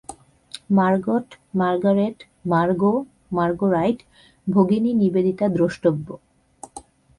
Margot, Margaret, Margo, মার্গোরাইট ভগিনী নিবেদিতা দ্রষ্টব্য।